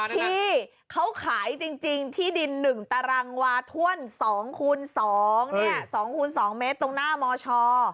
ที่เขาขายจริงที่ดิน๑ตารางวาถ้วน๒คูณ๒๒คูณ๒เมตรตรงหน้ามช